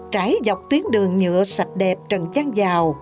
trái dọc tuyến đường nhựa sạch đẹp trần chán giao